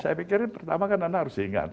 saya pikirin pertama nana harus ingat